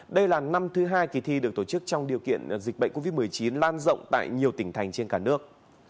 đây là năm thứ hai kỳ thi được tổ chức trong điều kiện dịch bệnh covid một mươi chín lan rộng tại nhiều tỉnh thành trên cả nước